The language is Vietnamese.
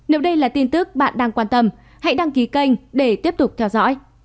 nếu đây là tin tức bạn đang quan tâm hãy đăng ký kênh để tiếp tục theo dõi